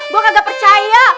gue kagak percaya